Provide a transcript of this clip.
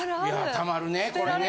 たまるねこれね。